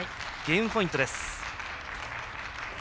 ゲームポイントです。